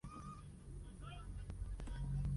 Consiste simplemente en un anden con un cartel antiguo.